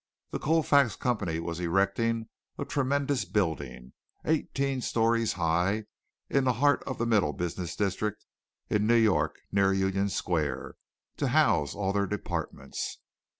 The Colfax company was erecting a tremendous building, eighteen stories high, in the heart of the middle business district in New York near Union Square, to house all their departments.